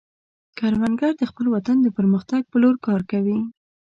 کروندګر د خپل وطن د پرمختګ په لور کار کوي